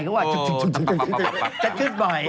เขาก็ว่าจะขึ้นไหม